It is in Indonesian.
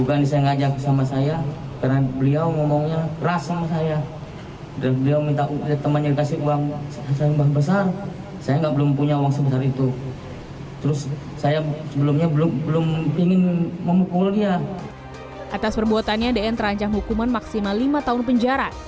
atas perbuatannya dn terancam hukuman maksimal lima tahun penjara